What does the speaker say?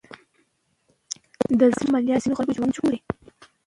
د زړه عملیات د ځینو خلکو لپاره ژوند ژغوري.